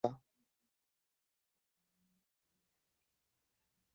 Nêçîrvan Barzanî li gel rayedarên Tevgera Goranê civiya.